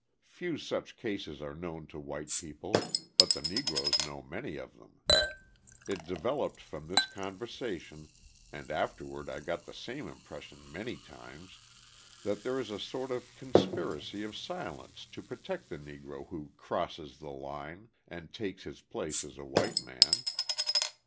Few such cases are known to white people, but the Negroes know many of them. It developed from this conversation (and afterward I got the same impression many times) that there is a sort of conspiracy of silence to protect the Negro who "crosses the line" and takes his place as a white man.